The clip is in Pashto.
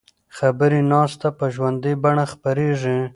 خبري ناسته په ژوندۍ بڼه خپریږي.